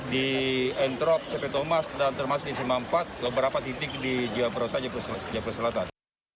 di entrop cepetomas dan termasuk di semampat beberapa titik di jayapura jayapura selatan